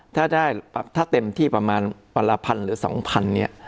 ถ้าได้ถ้าเต็มที่ประมาณปราพันธุ์หรือสองพันธุ์เนี่ย